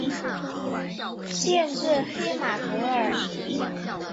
县治黑马戈尔。